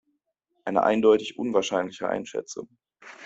Eine eindeutig unwahrscheinliche Einschätzung.